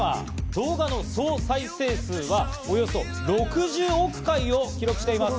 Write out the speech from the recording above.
動画の総再生数は、およそ６０億回を記録しています。